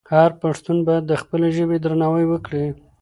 هر پښتون باید د خپلې ژبې درناوی وکړي.